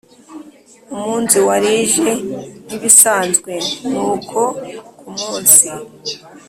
umunzi warije nkibisanzwe nuko kumunsi